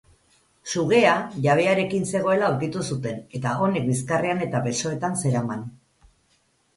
Sugea jabearekin zegoela aurkitu zuten, eta honek bizkarrean eta besoetan zeraman.